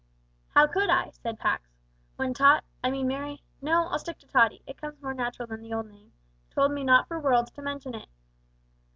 "How could I," said Pax, "when Tot I mean Merry no, I'll stick to Tottie it comes more natural than the old name told me not for worlds to mention it.